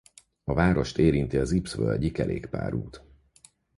A várost érinti az Ybbs-völgyi kerékpárút.